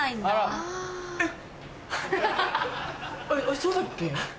あっそうだっけ？